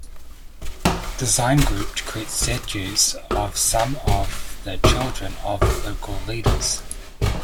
Design Group to create statues of some of the children of local leaders.